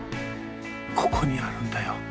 ここにあるんだよ。